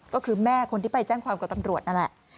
ก็คือแม่คนที่ไปแจ้งความกับตำรวจนั่นแหละ